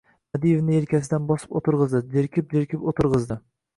Madievni yelkasidan bosib o‘tirg‘izdi. Jerkib-jerkib o‘tirg‘izdi.